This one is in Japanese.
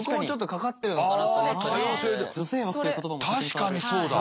確かにそうだ！